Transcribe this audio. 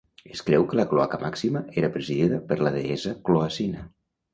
Es creu que la Cloaca Maxima era presidida per la deessa Cloacina.